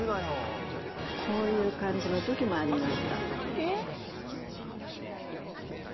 こういう感じのときもありました。